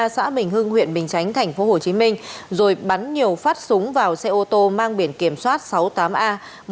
xã bình hương huyện bình chánh tp hcm rồi bắn nhiều phát súng vào xe ô tô mang biển kiểm soát sáu mươi tám a một mươi chín nghìn tám mươi chín